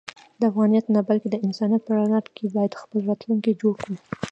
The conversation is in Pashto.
د افغانیت نه بلکې د انسانیت په رڼا کې باید خپل راتلونکی جوړ کړو.